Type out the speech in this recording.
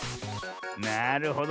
なるほど。